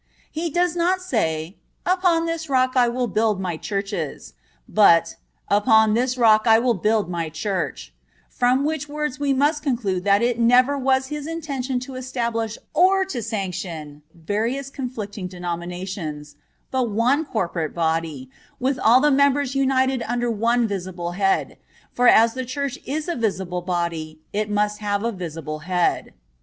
He does not say: "Upon this rock I will build my Churches," but "upon this rock I will build My Church,"(19) from which words we must conclude that it never was His intention to establish or to sanction various conflicting denominations, but one corporate body, with all the members united under one visible Head; for as the Church is a visible body, it must have a visible head.